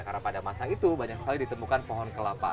karena pada masa itu banyak sekali ditemukan pohon kelapa